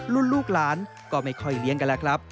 ลูกหลานก็ไม่ค่อยเลี้ยงกันแล้วครับ